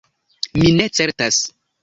"Mi ne certas."